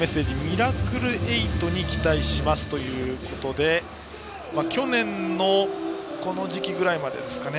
ミラクルエイトに期待しますということで去年のこの時期ぐらいまでですかね